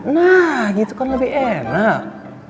nah gitu kan lebih enak